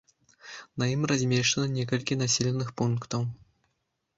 На ім размешчана некалькі населеных пунктаў.